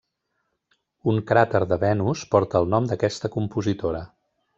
Un cràter de Venus porta el nom d'aquesta compositora.